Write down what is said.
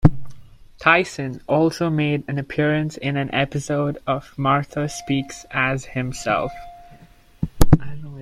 Tyson also made an appearance in an episode of "Martha Speaks" as himself.